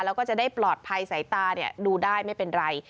แล้วก็จะได้ปลอดภัยสายตาดูได้ไม่เป็นไร